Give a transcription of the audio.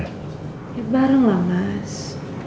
ya bareng lah mas